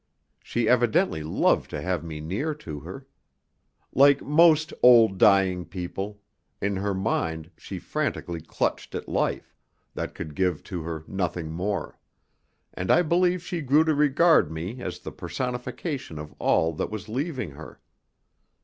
She evidently loved to have me near to her. Like most old dying people, in her mind she frantically clutched at life, that could give to her nothing more; and I believe she grew to regard me as the personification of all that was leaving her.